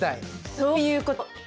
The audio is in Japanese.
そういうこと！